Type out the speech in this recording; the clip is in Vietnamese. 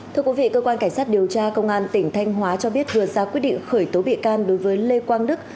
thưa quý vị cơ quan cảnh sát điều tra công an tỉnh thanh hóa cho biết vừa ra quyết định khởi tố bị can đối với lê quang đức